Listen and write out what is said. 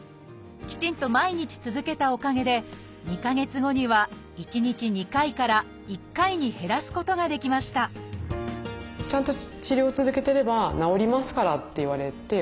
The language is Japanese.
きちんと毎日続けたおかげで２か月後には１日２回から１回に減らすことができましたよかった。